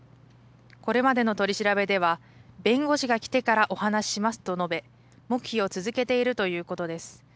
これまでの取り調べでは、弁護士が来てからお話ししますと述べ、黙秘を続けているということです。